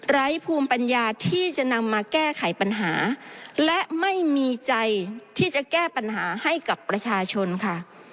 ภูมิปัญญาที่จะนำมาแก้ไขปัญหาและไม่มีใจที่จะแก้ปัญหาให้กับประชาชนค่ะ